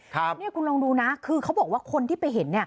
นี่คุณลองดูนะคือเขาบอกว่าคนที่ไปเห็น